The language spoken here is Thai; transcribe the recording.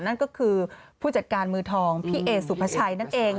นั่นก็คือผู้จัดการมือทองพี่เอสุภาชัยนั่นเอง